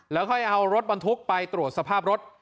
แล้วค่อยเอารถบรรทุกไปตรวจสภาพรถ